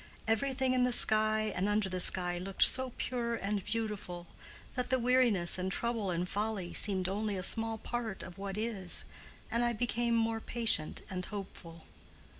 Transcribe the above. Everything in the sky and under the sky looked so pure and beautiful that the weariness and trouble and folly seemed only a small part of what is, and I became more patient and hopeful."